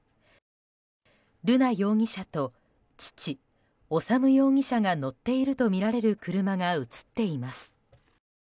瑠奈容疑者と父・修容疑者が乗っているとみられる車が映っています。